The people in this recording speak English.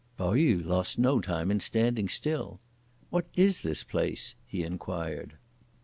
Pao yü lost no time in standing still. "What is this place?" he inquired.